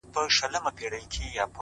دغه زرين مخ؛